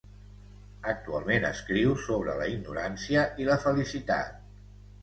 Actualment escriu sobre la ignorància i la felicitat.